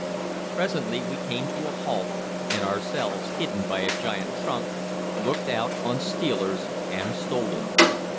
Presently we came to a halt, and, ourselves hidden by a giant trunk, looked out on stealers and stolen.